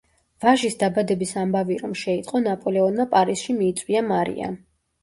ვაჟის დაბადების ამბავი რომ შეიტყო, ნაპოლეონმა პარიზში მიიწვია მარია.